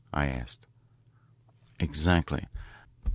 I asked. "Exactly.